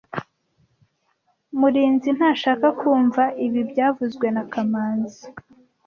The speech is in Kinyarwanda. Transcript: Murinzi ntashaka kumva ibi byavuzwe na kamanzi